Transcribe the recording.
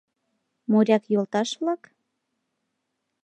— Моряк йолташ-влак?